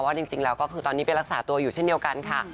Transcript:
จริงแล้วก็คือตอนนี้ไปรักษาตัวอยู่เช่นเดียวกันค่ะ